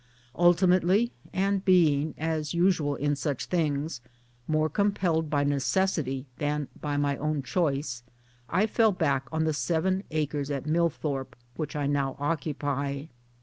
Ultimately and being (as usual in such things) more compelled by necessity than of my own choice, I fell back on the seven acres at Millthorpe which I now occupy.